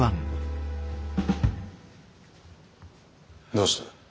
どうした？